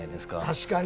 確かに！